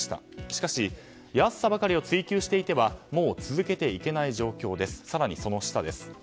しかし、安さばかりを追求していてはもう続けていけない状況です。